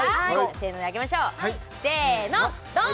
「せーの」であげましょうせーのどん！